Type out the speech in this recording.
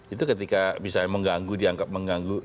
itu ketika bisa mengganggu dianggap mengganggu